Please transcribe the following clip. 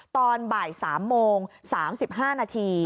ตอนบ่าย๓โมง๓๕นาที